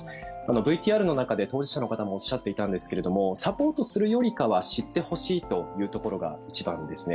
ＶＴＲの中で当事者の方もおっしゃっていたんですけれどもサポートするよりかは知ってほしいというところが一番ですね。